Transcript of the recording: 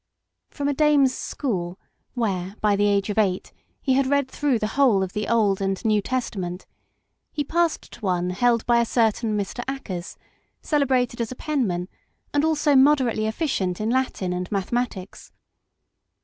From a dame's school, where, by the age of eight, he had read through the whole of the Old and New Testament, he passed to one held by a certain Mr. Akers, celebrated as a pen man and also moderately efficient in Latin and Mathe matics.